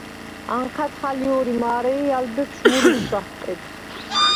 ანჴა̈დხ ალ ჲორი მა̄რე ი ალ ბეფშვ მურვისს ათყიდხ.